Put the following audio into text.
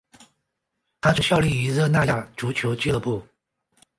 他曾效力于热那亚足球俱乐部。